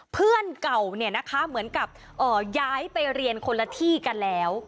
เพื่อนเก่าเนี่ยนะคะเหมือนกับย้ายไปเรียนคนละที่กันแล้ว